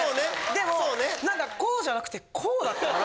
でも何かこうじゃなくてこうだったから。